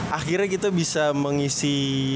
akhirnya kita bisa mengisi